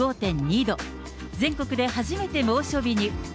全国で初めて猛暑日に。